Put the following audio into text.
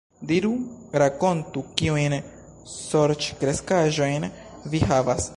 Diru, rakontu, kiujn sorĉkreskaĵojn vi havas?